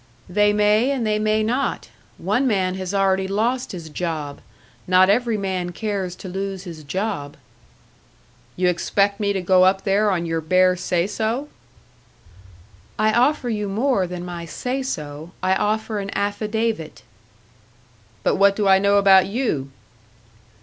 "They may, and they may not. One man has already lost his job; not every man cares to lose his job." "You expect me to go up there on your bare say so?" "I offer you more than my say so. I offer an affidavit." "But what do I know about you?"